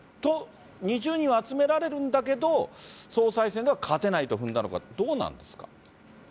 ２０人集められるんだけど、総裁選では勝てないと踏んだのか、どうなんですか？